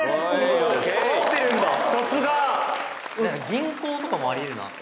銀行とかもあり得るなと。